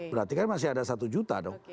berarti kan masih ada satu juta dong